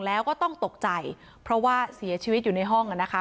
แล้วก็ต้องตกใจเพราะว่าเสียชีวิตอยู่ในห้องอ่ะนะคะ